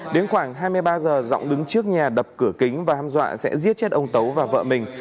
đến khoảng hai mươi ba giờ giọng đứng trước nhà đập cửa kính và ham dọa sẽ giết chết ông tấu và vợ mình